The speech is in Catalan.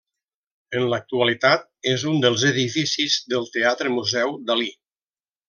En l'actualitat és un dels edificis del Teatre-Museu Dalí.